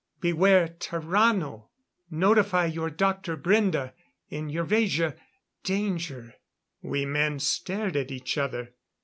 Beware Tarrano! Notify your Dr. Brende in Eurasia, danger.'"_ We men stared at each other.